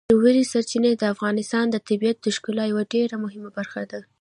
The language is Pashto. ژورې سرچینې د افغانستان د طبیعت د ښکلا یوه ډېره مهمه برخه ده.